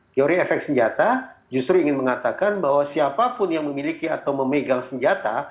teori efek senjata justru ingin mengatakan bahwa siapapun yang memiliki atau memegang senjata